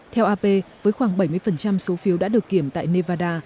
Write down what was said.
theo ap với khoảng bảy mươi số phiếu đã được kiểm tại nevada